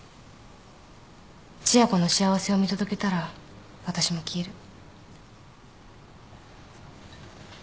千夜子の幸せを見届けたら私も消える。